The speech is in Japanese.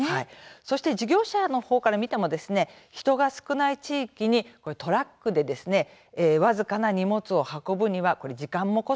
そして事業者の方から見ても、人が少ない地域にトラックで僅かな荷物を運ぶには時間もコストもかかります。